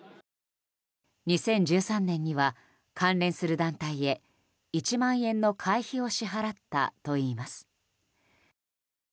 ２０１３年には関連する団体へ１万円の会費を支払ったといいます。